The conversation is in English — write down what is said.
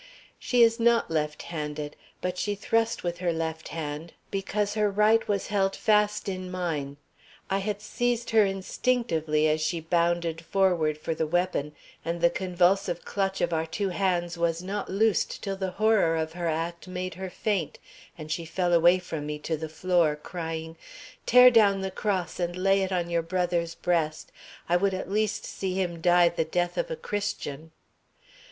"She is not left handed, but she thrust with her left hand, because her right was fast held in mine. I had seized her instinctively as she bounded forward for the weapon, and the convulsive clutch of our two hands was not loosed till the horror of her act made her faint, and she fell away from me to the floor crying: 'Tear down the cross and lay it on your brother's breast. I would at least see him die the death of a Christian.'"